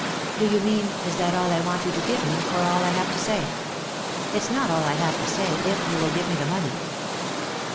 " Do you mean is that all I want you to give me, or all I have to say ? It's not all I have to say, if you will give me the money."